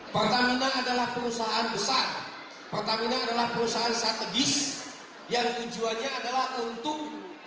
pertamina adalah perusahaan besar pertamina adalah perusahaan strategis yang tujuannya adalah untuk